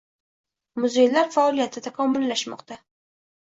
Muzeylar faoliyati takomillashmoqda